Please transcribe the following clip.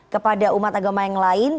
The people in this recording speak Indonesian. kepada umat agama yang lain